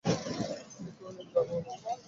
তিনি কহিলেন, যাও বাবা!